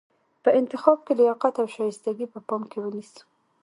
په انتخاب کې لیاقت او شایستګي په پام کې ونیسو.